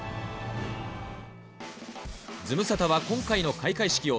ズムサタは今回の開会式を、